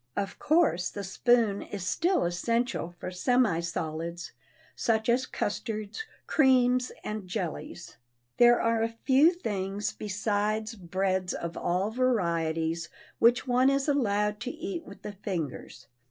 Of course the spoon is still essential for semi solids, such as custards, creams and jellies. There are a few things besides breads of all varieties which one is allowed to eat with the fingers.